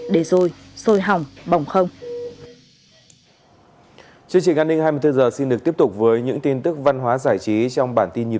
để rồi rồi hỏng bỏng không